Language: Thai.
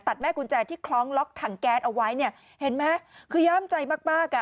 แม่กุญแจที่คล้องล็อกถังแก๊สเอาไว้เนี่ยเห็นไหมคือย่ามใจมากมากอ่ะ